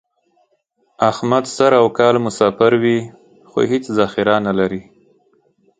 احمد سر او کال مسافر وي، خو هېڅ ذخیره نه لري.